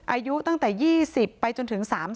อายุตั้งแต่๒๐ไปจนถึง๓๐